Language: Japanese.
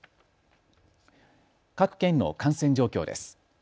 各県の感染状況です。